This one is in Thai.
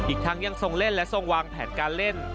อีกทั้งยังทรงเล่นและทรงวางแผนการเล่น